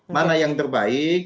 mana yang terbaik